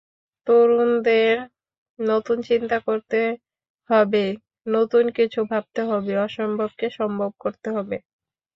তরুণদের নতুন চিন্তা করতে হবে, নতুন কিছু ভাবতে হবে, অসম্ভবকে সম্ভব করতে হবে।